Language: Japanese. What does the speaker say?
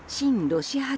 ロシア派